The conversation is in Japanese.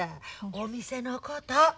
お店のこと。